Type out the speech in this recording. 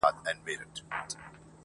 مرگ دی که ژوند دی.